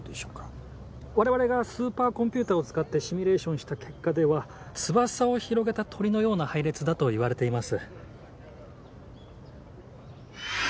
我々がスーパーコンピューターを使ってシミュレーションした結果では翼を広げた鳥のような配列だといわれています。